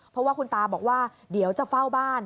เพราะว่าคุณตาบอกว่าเดี๋ยวจะเฝ้าบ้าน